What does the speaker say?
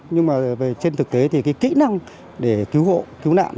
nhưng mà trên thực tế thì kỹ năng để cứu hộ cứu nạn